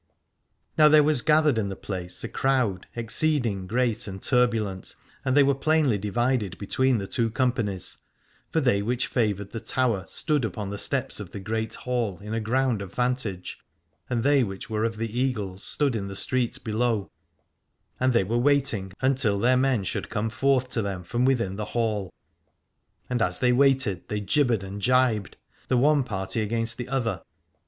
Now there was gathered in the place a crowd exceeding great and turbulent, and they were plainly divided between the two companies. For they which favoured the Tower stood upon the steps of the Great Hall in a ground of vantage, and they which were of the Eagles stood in the street below : and they were waiting until their men should 242 Aladore come forth to them from within the Hall, and as they waited they gibbered and gibed, the one party against the other.